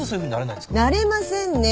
なれませんね。